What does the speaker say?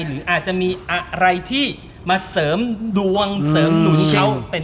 หรืออาจจะมีอะไรที่มาเสริมดวงเสริมหนุนเขาเป็น